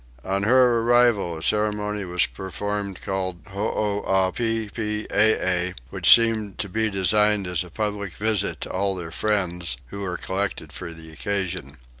On her arrival a ceremony was performed called Hooepippee, which seemed to be designed as a public visit to all their friends, who are collected on the occasion.